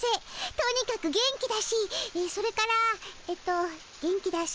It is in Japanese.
とにかく元気だしそれからえっと元気だし。